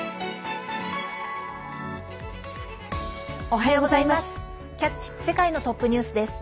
おはようございます。